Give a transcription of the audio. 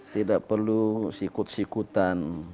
tidak perlu sikut sikutan